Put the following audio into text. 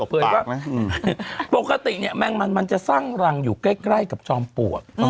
เปิดว่าปกติเนี่ยแมงมันมันจะสร้างรังอยู่ใกล้กับจอมปลวก